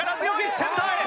センターへ。